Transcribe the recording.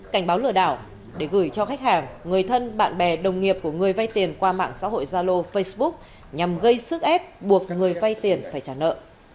cảnh báo lừa đảo để gửi cho khách hàng người thân bạn bè đồng nghiệp của người vay tiền qua mạng xã hội zalo facebook nhằm gây sức ép buộc người vay tiền phải trả nợ